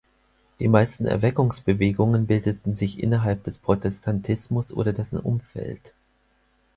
Die meisten Erweckungsbewegungen bildeten sich innerhalb des Protestantismus oder dessen Umfeld.